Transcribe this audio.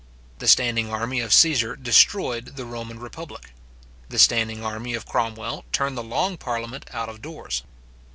The standing army of Caesar destroyed the Roman republic. The standing army of Cromwell turned the long parliament out of doors.